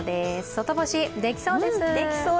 外干し、できそうです。